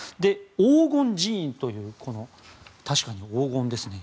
黄金寺院という確かに黄金ですね。